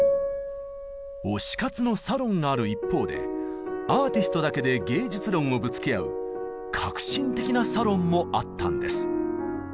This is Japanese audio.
「推し活」のサロンがある一方でアーティストだけで芸術論をぶつけ合う革新的なサロンもあったんです。